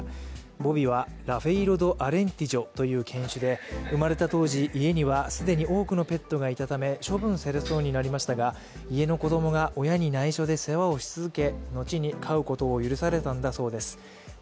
ボビはラフェイロ・ド・アレンティジョという犬種で生まれた当時、家には既に多くのペットがいたため処分されそうになりましたが家の子供が親に内緒で世話をし続け